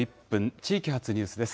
地域発ニュースです。